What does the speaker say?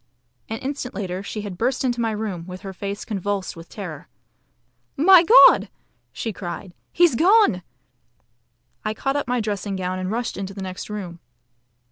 An instant later she had burst into my room, with her face convulsed with terror. "My God!" she cried, "he's gone!" I caught up my dressing gown and rushed into the next room.